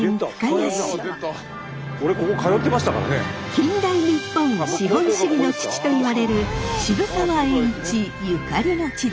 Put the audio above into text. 近代日本資本主義の父といわれる渋沢栄一ゆかりの地です。